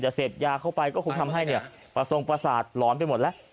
เสพยาเข้าไปก็คงทำให้ประทรงประสาทหลอนไปหมดแล้ว